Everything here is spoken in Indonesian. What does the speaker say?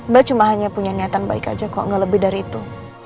mbak cuma hanya punya niatan baik aja kok gak lebih dari itu